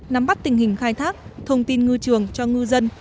nắm bắt tình hình khai thác thông tin ngư trường cho ngư dân